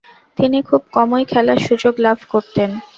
তিনি খুব কমই খেলার সুযোগ লাভ করতেন।